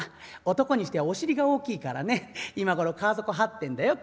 男にしてはお尻が大きいからね今頃川底はってんだよきっと。